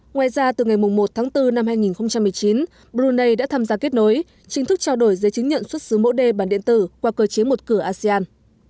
ngoài ra từ ngày một tháng bốn năm hai nghìn một mươi chín brunei đã tham gia kết nối chính thức trao đổi giấy chứng nhận xuất xứ mẫu đê bản điện tử qua cơ chế một cửa asean